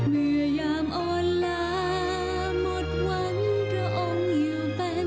เมื่อยามอ่อนลาหมดหวังพระองค์อยู่เป็น